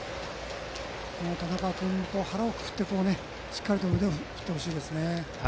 もう、田中君は腹をくくってしっかり腕を振ってほしいですね。